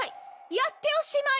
やっておしまい！